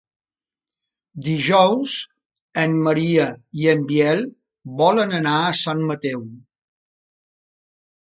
Dijous en Maria i en Biel volen anar a Sant Mateu.